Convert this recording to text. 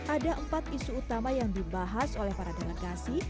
ada empat isu utama yang dibahas oleh para delegasi